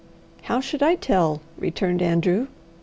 "How should I tell?" returned Andrew.